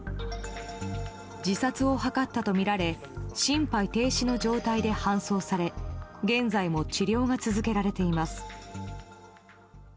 自殺を図ったとみられ心肺停止の状態で搬送され現在も治療が続けられています。